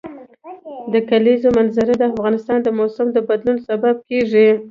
د کلیزو منظره د افغانستان د موسم د بدلون سبب کېږي.